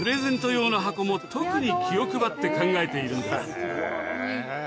も特に気を配って考えているんだ。